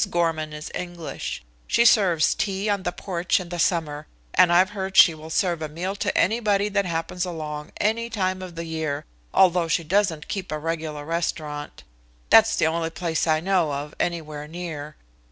Gorman is English. She serves tea there on the porch in the summer, and I've heard she will serve a meal to anybody that happens along any time of the year, although she doesn't keep a regular restaurant. That's the only place I know of anywhere near.